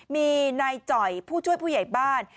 มีนายจ่อยผู้ช่วยผู้ใหญ่บ้าน